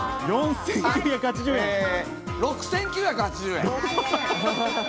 ６９８０円！